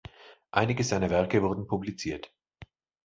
Einige seiner Werke wurden publiziert.